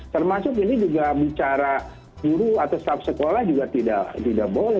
termasuk ini juga bicara guru atau staff sekolah juga tidak boleh